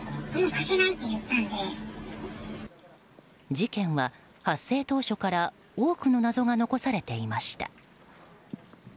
事件は発生当初から多くの謎が残されていました。